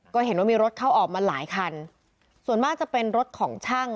ก็เห็นว่ามีรถเข้าออกมาหลายคันส่วนมากจะเป็นรถของช่าง